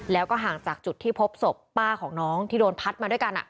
แล้วก็ห่างจากจุดที่พบศพป้าของน้องที่โดนพัดมาด้วยกัน